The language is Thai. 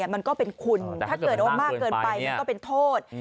มันก็เป็นคุณถ้าเกิดว่ามากเกินไปมันก็เป็นโทษ